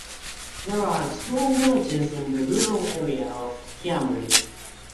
There are small villages in the rural area of Kiamari.